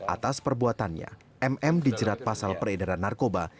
atas perbuatannya mm dijerat pasal peredaran narkoba